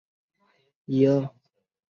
又当上职业演员。